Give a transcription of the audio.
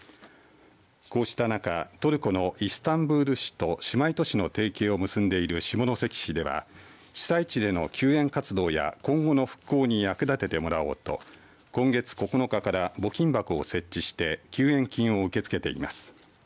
こうした中、トルコのイスタンブール市と姉妹都市の提携を結んでいる下関市では被災地での救援活動や今後の復興に役立ててもらおうと今月９日から募金箱を設置して救援金を受け付けています。